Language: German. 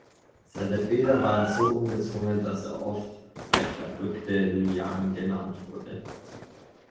Seine Bilder waren so ungezwungen, dass er oft der „verrückte Liang“ genannt wurde.